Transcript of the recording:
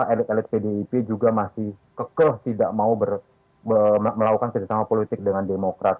elit elit pdip juga masih kekeh tidak mau melakukan kerjasama politik dengan demokrat